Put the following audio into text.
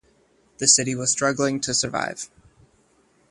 The city was struggling to survive.